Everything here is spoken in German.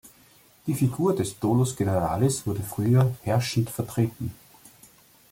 Die Figur des "dolus generalis" wurde früher herrschend vertreten.